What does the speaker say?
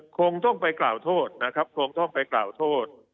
คงต้องไปกล่าวโทษนะครับคงต้องไปกล่าวโทษ